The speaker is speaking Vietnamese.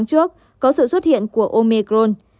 nhiều nước có sự xuất hiện của omicron